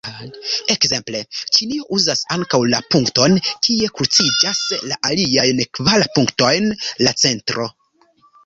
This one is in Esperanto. Ekzemple, Ĉinio uzas ankaŭ la punkton, kie kruciĝas la aliajn kvar punktojn: la centro.